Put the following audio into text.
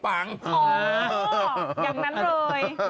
อย่างนั้นเลย